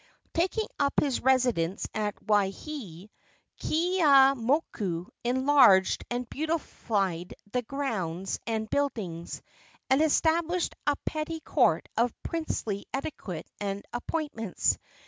Taking up his residence at Waihee, Keeaumoku enlarged and beautified his grounds and buildings, and established a petty court of princely etiquette and appointments.